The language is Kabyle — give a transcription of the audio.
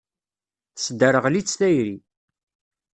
Tesderɣel-itt tayri.